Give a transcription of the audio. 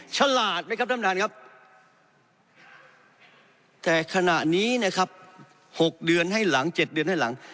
ฉลาดไหมครับท่านประธานครับแต่ขณะนี้นะครับ๖เดือนให้หลัง๗เดือนให้หลัง